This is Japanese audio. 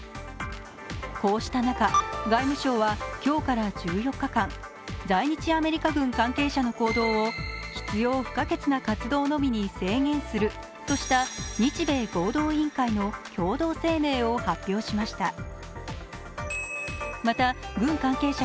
こうした中、外務省は今日から１４日間、在日アメリカ軍関係者の行動を必要不可欠な活動のみに制限するとした日米合同委員会の共同声明を発表しました。